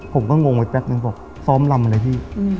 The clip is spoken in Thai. ผมก็งงไปแป๊บนึงบอกซ้อมลำอะไรพี่